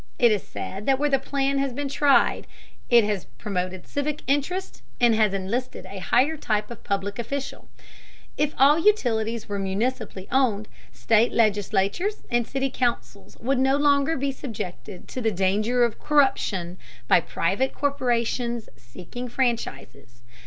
It is said that where the plan has been tried, it has promoted civic interest and has enlisted a higher type of public official. If all utilities were municipally owned, state legislatures and city councils would no longer be subjected to the danger of corruption by private corporations seeking franchises.